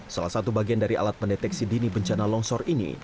salah satu bagian dari alat mendeteksi dini bencana longsor ini